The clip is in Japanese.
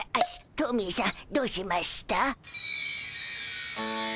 トミーしゃんどうしました？